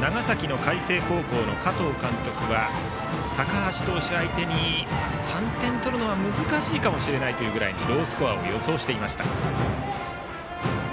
長崎の海星高校の加藤監督は高橋投手相手に３点取るのは難しいかもしれないと言うぐらいロースコアを予想していました。